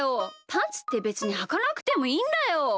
パンツってべつにはかなくてもいいんだよ。